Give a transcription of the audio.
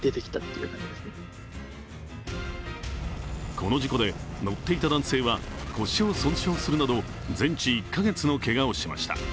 この事故で、乗っていた男性は腰を損傷するなど全治１か月のけがをしました。